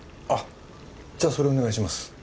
あっじゃあそれお願いします。